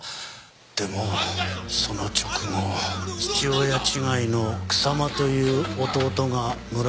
でもその直後父親違いの草間という弟が村にやってきて。